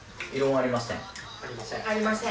ありません。